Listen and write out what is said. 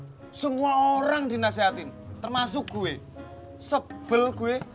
parah dari tisna semua orang dinasihatin termasuk gue sebel gue